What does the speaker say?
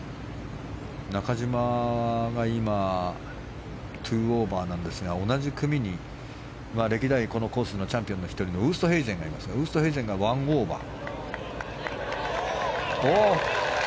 中島が今２オーバーですが同じ組に歴代、このコースのチャンピオンの１人のウーストヘイゼンがいますがウーストヘイゼンは１オーバー。